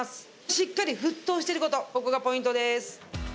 しっかり沸騰してること、ここがポイントです。